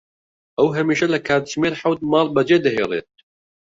ئەو هەمیشە لە کاتژمێر حەوت ماڵ بەجێ دەهێڵێت.